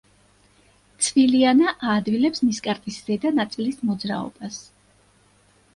ცვილიანა აადვილებს ნისკარტის ზედა ნაწილის მოძრაობას.